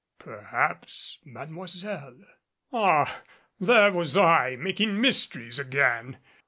Perhaps Mademoiselle Ah there was I making mysteries again!